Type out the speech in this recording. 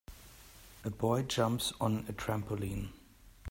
A boy jumps on a trampoline.